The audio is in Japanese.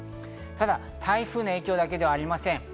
ただ台風の影響だけではありません。